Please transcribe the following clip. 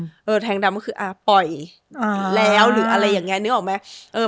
แต่ถ้าเกิดแทงดำก็คืออ่าปล่อยแล้วหรืออะไรอย่างเงี้ยนึกออกไหม